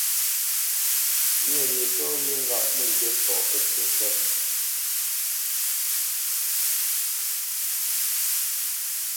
Myâ wyê tɔ́ wyê ŋgâʼ mə ŋgyə̂ ntɔ̌ pətsǐ pé.